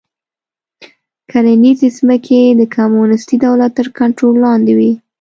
کرنیزې ځمکې د کمونېستي دولت تر کنټرول لاندې وې